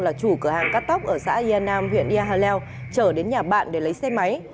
là chủ cửa hàng cắt tóc ở xã yên nam huyện yà hà leo chở đến nhà bạn để lấy xe máy